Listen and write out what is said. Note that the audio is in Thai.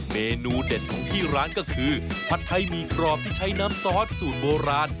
เมนูเด็ดของที่ร้านก็คือผัดไทยหมี่กรอบที่ใช้น้ำซอสสูตรโบราณ